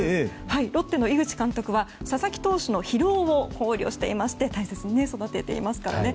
ロッテの井口監督は佐々木投手の疲労を考慮していまして大切に育てていますからね。